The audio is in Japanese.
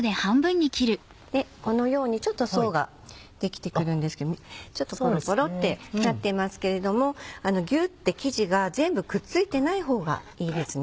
このようにちょっと層が出来てくるんですけどちょっとポロポロってなってますけれどもギュって生地が全部くっついてない方がいいですね。